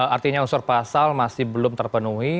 artinya unsur pasal masih belum terpenuhi